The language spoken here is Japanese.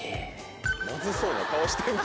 まずそうな顔してんな。